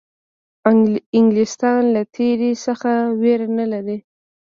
انګلیسیان له تېري څخه وېره نه لري.